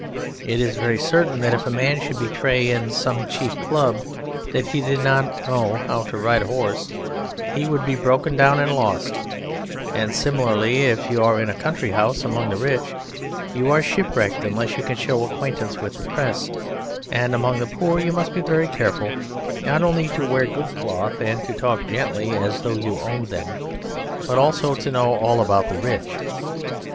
It is very certain that if a man should betray in some cheap club that he did not know how to ride a horse, he would be broken down and lost, and similarly, if you are in a country house among the rich you are shipwrecked unless you can show acquaintance with the Press, and among the poor you must be very careful, not only to wear good cloth and to talk gently as though you owned them, but also to know all about the rich.